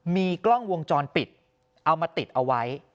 มีกล้องวงจรปิดเอามาติดเอาไว้